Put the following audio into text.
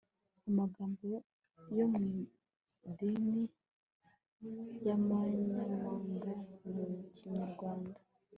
amagambo yo mu ndimi z'amanyamahanga mu kinyarwanda